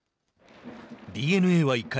ＤｅＮＡは１回。